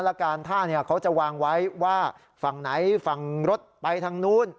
แล้วการท่าเขาจะวางไว้ว่าฝั่งไหนฝั่งรถไปทางนู้น